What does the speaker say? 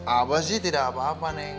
abang sih tidak apa apa neng